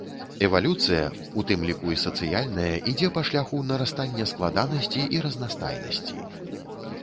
Эвалюцыя, у тым ліку і сацыяльная, ідзе па шляху нарастання складанасці і разнастайнасці.